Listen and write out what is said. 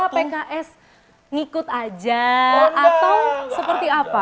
pks ngikut aja atau seperti apa